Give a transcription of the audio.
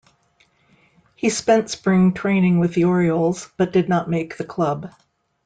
He spent Spring training with the Orioles, but did not make the club.